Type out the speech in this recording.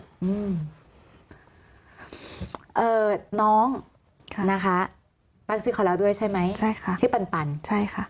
อืมน้องนะคะรักชีพเขาแล้วด้วยใช่ไหมใช่ค่ะชื่อปันปันใช่ค่ะ